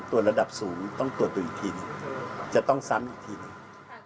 ระดับสูงต้องตรวจดูอีกทีหนึ่งจะต้องซ้ำอีกทีหนึ่ง